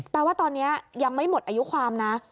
แปลว่าตอนนี้ยังไม่หมดอายุความนะ